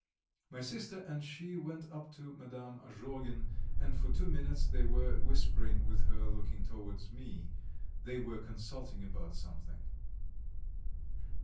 My sister and she went up to Madame Azhogin and for two minutes they were whispering with her looking towards me; they were consulting about something.